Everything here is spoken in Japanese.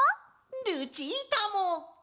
ルチータも！